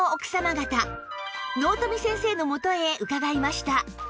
納富先生の元へ伺いました